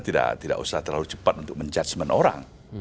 kita tidak usah terlalu cepat untuk menjudge orang